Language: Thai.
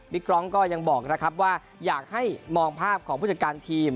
กรองก็ยังบอกนะครับว่าอยากให้มองภาพของผู้จัดการทีม